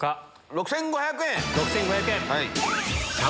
６５００円！